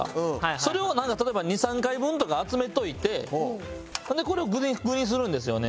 それを例えば２３回分とか集めといてでこれを具にするんですよね。